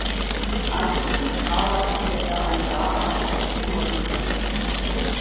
Anschließend arbeitete er ein Jahr als Auditor in Braunschweig.